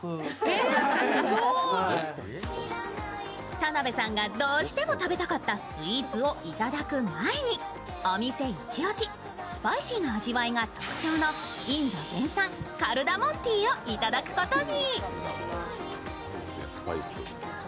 田辺さんがどうしても食べたかったスイーツを頂く前に、お店イチ押し、スパイシーな味わいが特徴のインド原産、カルダモンティーをいただくことに。